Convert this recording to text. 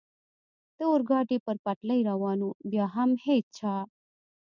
د اورګاډي پر پټلۍ روان و، بیا هم هېڅ چا.